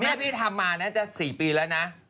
นี่พี่ทำมาน่าจะ๔ปีแล้วนะ